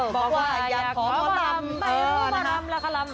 บอกว่าอยากขอหมอลำ